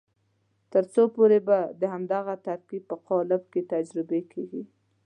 تر څو پورې به د همدغه ترکیب په قالب کې تجربې کېږي.